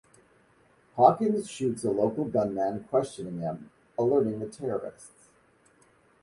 Hawkins shoots a local gunman questioning him, alerting the terrorists.